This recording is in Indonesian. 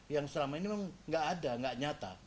yang selama ini memang nggak ada nggak nyata